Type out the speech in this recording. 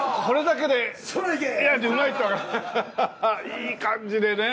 いい感じでね。